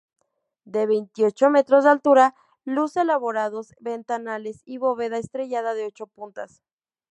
De veintiocho metros de altura, luce elaborados ventanales y bóveda estrellada de ocho puntas.